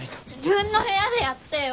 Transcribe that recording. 自分の部屋でやってよ。